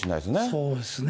そうですね。